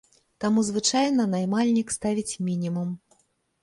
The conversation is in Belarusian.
Таму звычайна наймальнік ставіць мінімум.